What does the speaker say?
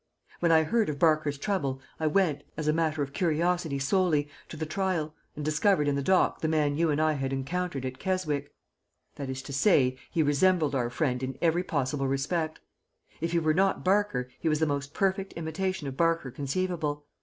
"When I heard of Barker's trouble I went, as a matter of curiosity solely, to the trial, and discovered in the dock the man you and I had encountered at Keswick. That is to say, he resembled our friend in every possible respect. If he were not Barker he was the most perfect imitation of Barker conceivable.